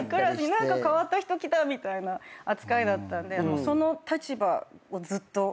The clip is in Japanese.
「何か変わった人来た」みたいな扱いだったんでその立場をずっと。